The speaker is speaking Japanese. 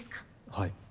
はい。